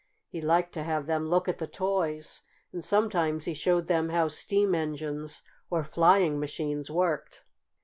He liked to have them look at the toys, and sometimes he showed them how steam engines or flying machines worked.